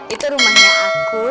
itu rumahnya aku